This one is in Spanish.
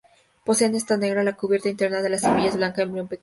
Poseen testa negra, la cubierta interna de la semilla es blanca, embrión pequeño.